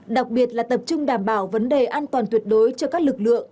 đặc biệt là tập trung đảm bảo vấn đề an toàn tuyệt đối cho các lực lượng